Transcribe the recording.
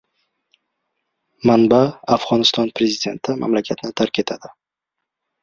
Manba: Afg‘oniston prezidenti mamlakatni tark etadi